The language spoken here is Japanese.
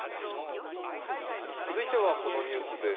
続いてはこのニュースです